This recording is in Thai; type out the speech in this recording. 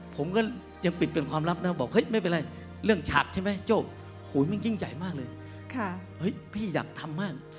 ผมก็ยังปิดเป็นความลับนะบอกเฮ้ยไม่เป็นไรเรื่องฉากใช่ไหมโจ้มันยิ่งใหญ่มากเลยเฮ้ยพี่อยากทำมาก